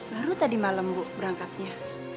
baru tadi malam bu berangkatnya